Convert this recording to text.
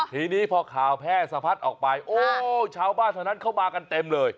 ทีนี้พอข่าวแพร่สะพัดออกไปโอ้ชาวบ้านเท่านั้นเข้ามากันเต็มเลย